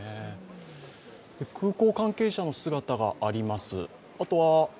空港関係者の姿があります。